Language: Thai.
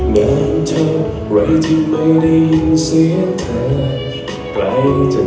แกน่าชอบใครที่ไม่ได้ยินเสียงเธอ